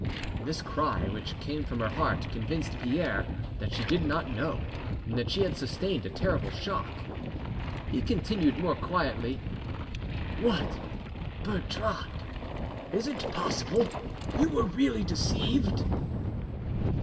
This cry, which came from her heart, convinced Pierre that she did not know, and that she had sustained a terrible shock. He continued more quietly— "What, Bertrande, is it possible you were really deceived?"